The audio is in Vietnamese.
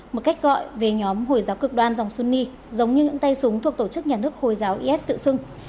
một cách gọi về nhóm hồi giáo cực đoan dòng suni giống như những tay súng thuộc tổ chức nhà nước hồi giáo is tự xưng